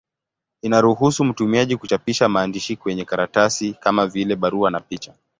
Inaruhusu mtumiaji kuchapisha maandishi kwenye karatasi, kama vile barua na picha.